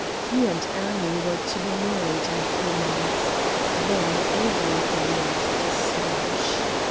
He and Annie were to be married in a few months, then everything went to smash.